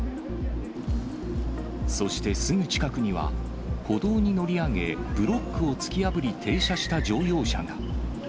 そしてすぐ近くには、歩道に乗り上げ、ブロックを突き破り停車した乗用車が。